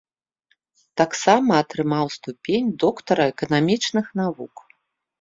Тамсама атрымаў ступень доктара эканамічных навук.